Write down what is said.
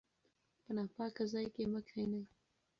په ناپاکه ځای کې مه کښینئ.